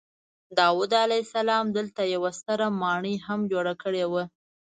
داود علیه السلام دلته یوه ستره ماڼۍ هم جوړه کړې وه.